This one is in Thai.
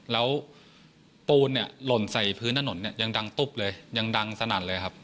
แล้วปูนเนี่ยหล่นใส่พื้นถนนเนี่ยยังดังตุ๊บเลยยังดังสนั่นเลยครับ